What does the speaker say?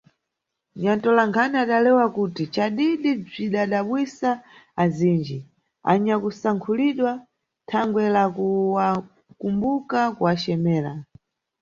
Nyantolankhani adalewa kuti ncadidi bzwidadabwisa azindji anyakusankhulidwa "thangwe la kuwakumbuka kuwacemera".